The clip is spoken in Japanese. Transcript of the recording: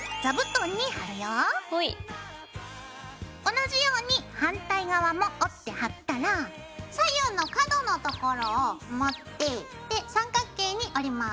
同じように反対側も折って貼ったら左右の角のところを持ってで三角形に折ります。